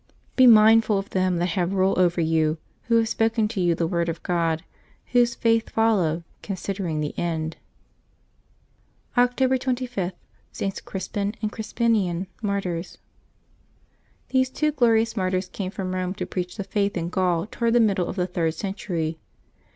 — ^"^Be mindful of them that have rule over you, who have spoken to you the word of God, whose faith follow, considering the end." October 25.— STS. CRISPIN and CRISPINIAN, Martyrs. J^nHese two glorious martyrs came from Eome to preach Vlx the Faith in Gaul toward the middle of the third century.